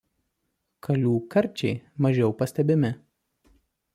Kalių „karčiai“ mažiau pastebimi.